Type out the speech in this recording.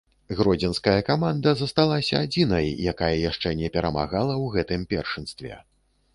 Гродзенская каманда засталася адзінай, якая яшчэ не перамагала ў гэтым першынстве.